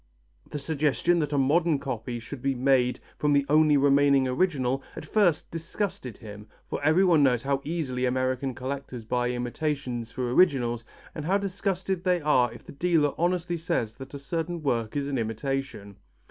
The suggestion that a modern copy should be made from the only remaining original at first disgusted him, for everyone knows how easily American collectors buy imitations for originals and how disgusted they are if the dealer honestly says that a certain work is an imitation.